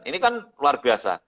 ini kan luar biasa